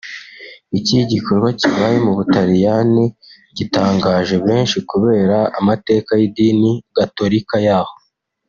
Iki gikorwa kibaye mu Butaliyani gitangaje benshi kubera amateka y’idini gatolika yaho